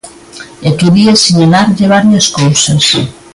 E quería sinalarlle varias cousas.